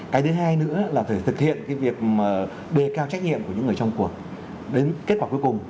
cái thứ hai nữa là phải thực hiện cái việc đề cao trách nhiệm của những người trong cuộc đến kết quả cuối cùng